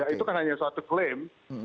itu kan hanya suatu klaim